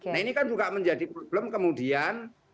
nah ini kan juga menjadi problem kemudian